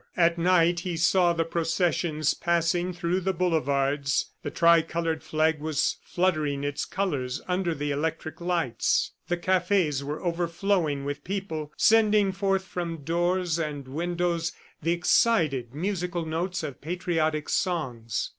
At night he saw the processions passing through the boulevards. The tricolored flag was fluttering its colors under the electric lights. The cafes were overflowing with people, sending forth from doors and windows the excited, musical notes of patriotic songs.